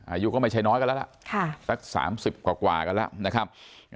อายุก็ไม่ใช่น้อยกันแล้วละสักสามสิบกว่ากว่ากันละนะครับ